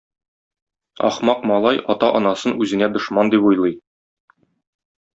Ахмак малай ата-анасын үзенә дошман дип уйлый.